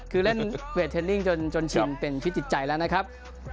คือเล่นเวทเทนนิ่งจนชินเป็นพิษจิตใจแล้วนะครับ